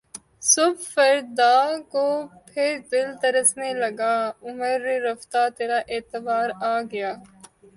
صبح فردا کو پھر دل ترسنے لگا عمر رفتہ ترا اعتبار آ گیا